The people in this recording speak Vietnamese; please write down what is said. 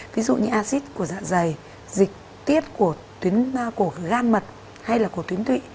ví dụ như acid của dạ dày dịch tiết của gan mật hay là của tuyến thụy